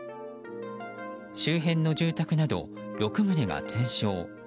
周辺の住宅など６棟が全焼。